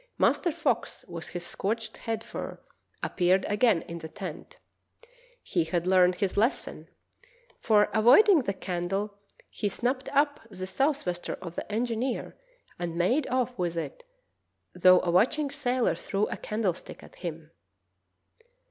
Master Fox, with his scorched head fur, appeared again in the tent. He had learned his lesson, for avoid The Retreat of Ross from the Victory 49 ing the candle he snapped up the sou'wester of the engineer and made off with it though a watching sailor threw a candlestick at him.